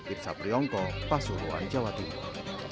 irsa priyongko pasuruan jawa timur